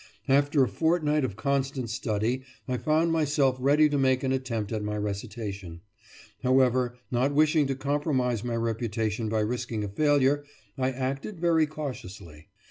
After a fortnight of constant study, I found myself ready to make an attempt at my recitation. However, not wishing to compromise my reputation by risking a failure, I acted very cautiously.